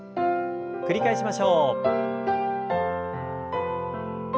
繰り返しましょう。